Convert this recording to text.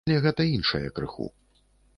Але гэта іншае крыху.